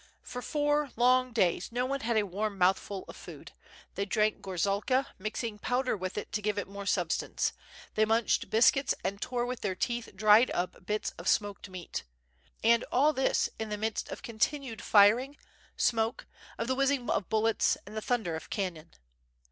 For four long: days no one had a warm mouthful of food; they drank gorzalka, mixing powder with it to give it more sub stance; they munched biscuits and tore with their teeth dried up bits of smoked meat; and all this in the midst of continued firing, smoke, of the whizzing of bullets, and the thunder of cannon.